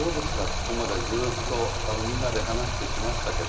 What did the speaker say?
ここまでずっとみんなで話してきましたけど。